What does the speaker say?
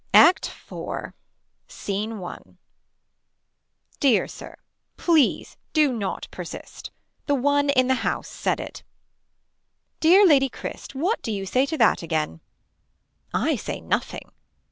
Act 4. Scene 1. Dear Sir. Please do not persist. The one in the house said it. Dear Lady Cryst what do you say to that again. I say nothing.